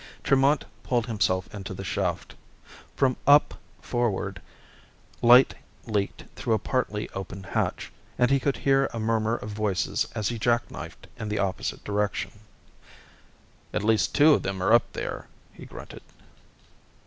Tremont pulled himself into the shaft. From "up" forward, light leaked through a partly open hatch, and he could hear a murmur of voices as he jackknifed in the opposite direction. "At least two of them are up there," he grunted.